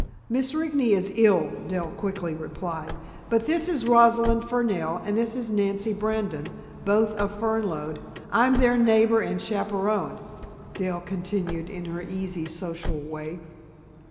"Miss Rigney is ill," Dell quickly replied, "but this is Rosalind Fernell and this is Nancy Brandon, both of Fernlode. I'm their neighbor and chaperon," Dell continued in her easy social way.